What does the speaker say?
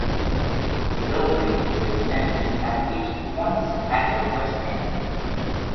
The building was extended as least once at its west end.